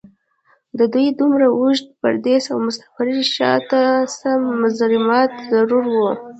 د دوي دومره اوږد پرديس او مسافرۍ شا ته څۀ مضمرات ضرور وو